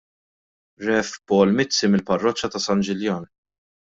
Rev. Paul Mizzi mill-Parroċċa ta' San Ġiljan.